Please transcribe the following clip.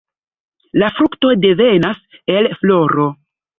La frukto devenas el floro.